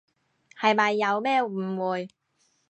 係咪有咩誤會？